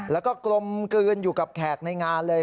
แล้วก็กลมกลืนอยู่กับแขกในงานเลย